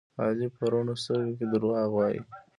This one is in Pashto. علي په رڼو سترګو کې دروغ وایي.